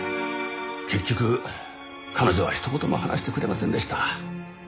結局彼女はひと言も話してくれませんでした。